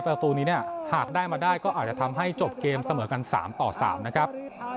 ประตูนี้เนี่ยหากได้มาได้ก็อาจจะทำให้จบเกมเสมอกัน๓ต่อ๓นะครับ